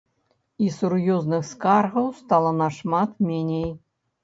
І сур'ёзных скаргаў стала нашмат меней.